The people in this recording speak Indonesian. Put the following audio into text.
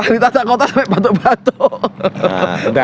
realitas kota sampai batuk batuk